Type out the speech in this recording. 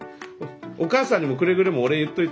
お母さんにもくれぐれもお礼言っといて。